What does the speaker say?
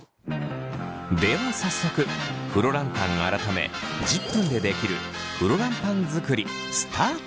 では早速フロランタン改め１０分でできるフロランパン作りスタート！